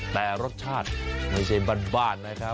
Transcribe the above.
แต่รสชาติไม่ใช่บ้านนะครับ